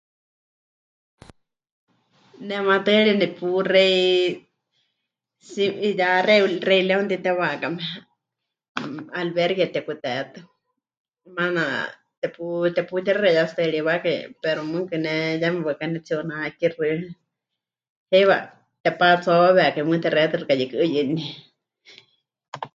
Ne maatɨari nepuxei si... 'iyá Rey, Rey León titewakame, albergue tekutetɨ, maana tepu... teputixexeiyátsitɨariwakai pero mɨɨkɨ ne yeme waɨká pɨnetsi'unakixɨ, heiwa tepatsúawawekai mɨɨkɨ texeiyatɨ xɨka yɨkɨ 'uyɨní.